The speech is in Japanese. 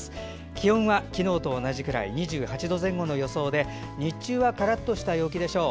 気温は昨日と同じくらい２８度前後の予想で日中はカラッとした陽気でしょう。